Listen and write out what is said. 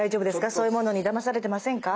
そういうものにだまされてませんか？